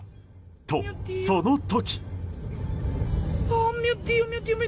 と、その時。